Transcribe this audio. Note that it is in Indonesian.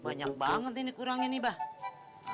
banyak banget ini kurang ini mbak